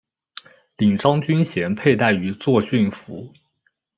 领章军衔佩戴于作训服。